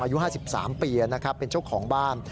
อายุ๕๓ปีเป็นเจ้าของบ้าน